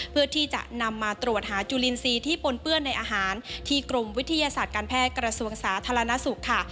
เพื่อที่จะนำมาตรวจหาจุลินทรีย์ที่ปนเปื้อนในอาหารที่กรมวิทยาศาสตร์การแพทย์กระทรวงสาธารณสุขค่ะ